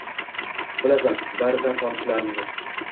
Bilasan baridan tonishlarimni